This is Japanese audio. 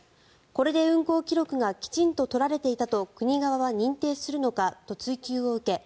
これで運航記録がきちんと取られていたと国側は認定するのかと追及を受け